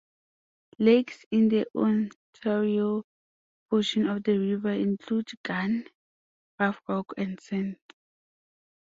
Lakes in the Ontario portion of the river include Gun, Roughrock and Sand.